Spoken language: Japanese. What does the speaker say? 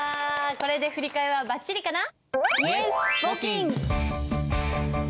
これで振り替えはばっちりかな？